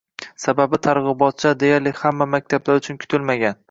Sababi, targ‘ibotchilar deyarli hamma maktablar uchun kutilmagan.